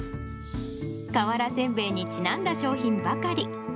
瓦煎餅にちなんだ商品ばかり。